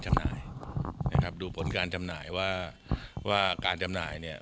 จำหน่ายนะครับดูผลการจำหน่ายว่าว่าการจำหน่ายเนี่ย